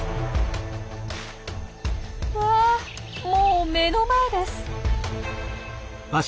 うわもう目の前です。